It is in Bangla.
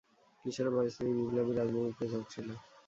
কিশোর বয়েস থেকেই বিপ্লবী রাজনীতিতে ঝোঁক ছিল।